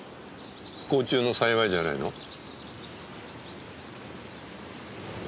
「不幸中の幸い」じゃないの？